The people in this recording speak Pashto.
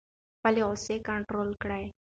خپلې غصې کنټرول کړئ.